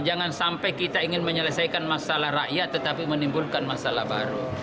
jangan sampai kita ingin menyelesaikan masalah rakyat tetapi menimbulkan masalah baru